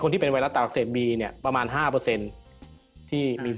คนที่เป็นไวรัสตับอักเสบประมาณ๕เปอร์เซ็นต์